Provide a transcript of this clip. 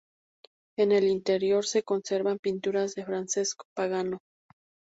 En el interior se conservan pinturas de Francesco Pagano.